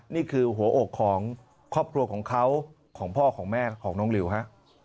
นี่คือหัวอกของครอบครัวของเขาของพ่อของแม่ของน้องริวฮะ